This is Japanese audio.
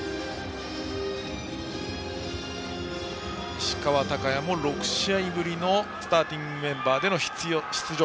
石川昂弥も６試合ぶりのスターティングメンバーでの出場。